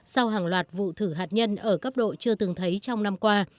sau hàng loạt vụ thử hạt nhân ở cấp độ chưa từng thấy trong năm qua